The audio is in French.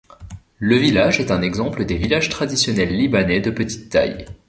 Le village est un exemple des villages traditionnels libanais de petite taille.